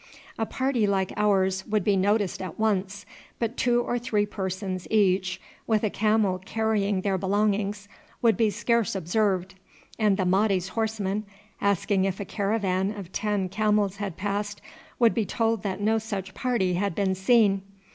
A party like ours would be noticed at once, but two or three persons each with a camel carrying their belongings would be scarce observed; and the Mahdi's horsemen, asking if a caravan of ten camels had passed, would be told that no such party had been seen.